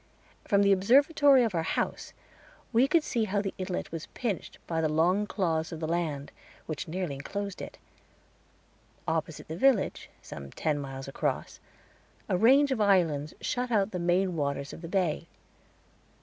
From the observatory of our house we could see how the inlet was pinched by the long claws of the land, which nearly enclosed it. Opposite the village, some ten miles across, a range of islands shut out the main waters of the bay.